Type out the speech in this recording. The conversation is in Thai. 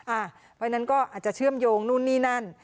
อะอันนั้นก็อาจจะเชื่อมโยงน้นนี่นั่น